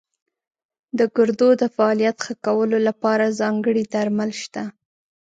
د ګردو د فعالیت ښه کولو لپاره ځانګړي درمل شته.